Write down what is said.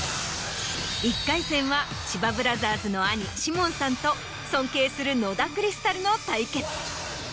１回戦は千葉ブラザーズの兄シモンさんと尊敬する野田クリスタルの対決。